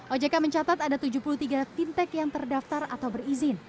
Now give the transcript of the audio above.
ojk mencatat ada tujuh puluh tiga fintech yang terdaftar atau berizin